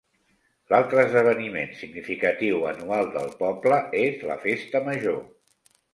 L'altre esdeveniment significatiu anual del poble és la festa major.